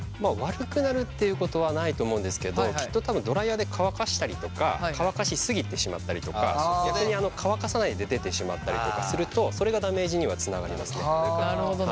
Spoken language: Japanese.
悪くなるっていうことはないと思うんですけどきっと多分ドライヤーで乾かしたりとか乾かしすぎてしまったりとか逆に乾かさないで出てしまったりとかするとそれがダメージにはつながりますね。